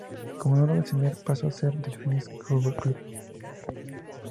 Como no logró ascender, pasó a ser Delfines Fútbol Club.